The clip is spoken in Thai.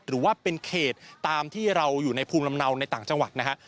หรือว่าเป็นเขตตามที่เราอยู่ในภูมิลำเนาในต่างจังหวัดนะฮะ